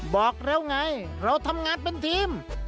บอกแล้วไงเราทำงานเป็นทีม